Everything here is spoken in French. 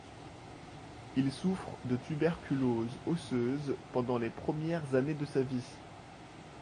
Il souffre de tuberculose osseuse pendant les premières années de sa vie.